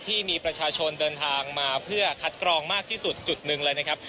ที่มีประชาชนเดินทางมาเพื่อคัดกรองมากที่สุดจุดหนึ่งเลยนะครับ